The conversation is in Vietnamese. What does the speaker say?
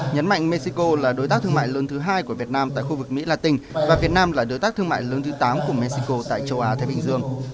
nhấn mạnh mexico là đối tác thương mại lớn thứ hai của việt nam tại khu vực mỹ la tình và việt nam là đối tác thương mại lớn thứ tám của mexico tại châu á thái bình dương